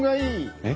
えっ？